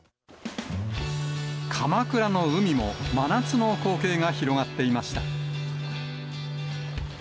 鎌倉の海も真夏の光景が広がっていました。